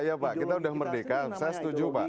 iya pak kita sudah merdeka saya setuju pak